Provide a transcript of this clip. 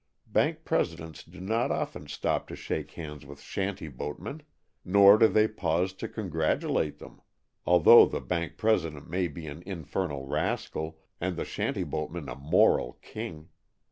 Bank presidents do not often stop to shake hands with shanty boatmen, nor do they pause to congratulate them, although the bank president may be an infernal rascal and the shanty boatman a moral king.